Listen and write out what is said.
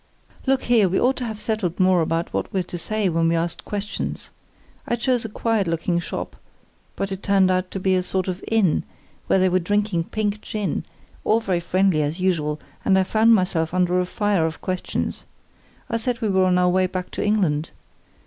"Look here, we ought to have settled more about what we're to say when we're asked questions. I chose a quiet looking shop, but it turned out to be a sort of inn, where they were drinking pink gin—all very friendly, as usual, and I found myself under a fire of questions. I said we were on our way back to England.